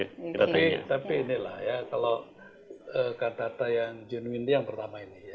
tapi inilah ya kalau kantata yang genuine dia yang pertama ini